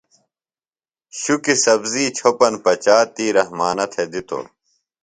شُکیۡ سبزی چھوپن پچا تی رحمانہ تھےۡ دِتوۡ۔